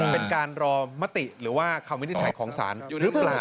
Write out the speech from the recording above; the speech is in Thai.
เป็นการรอมติหรือว่าคำวินิจฉัยของศาลอยู่หรือเปล่า